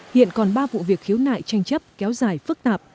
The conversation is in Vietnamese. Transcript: hiện còn ba vụ việc khiếu nại tranh chấp kéo dài phức tạp